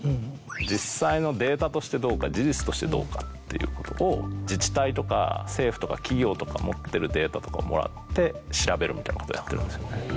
実際のデータとしてどうか事実としてどうかということを自治体とか政府とか企業とかが持ってるデータとかをもらって調べるみたいなことをやってるんですよね。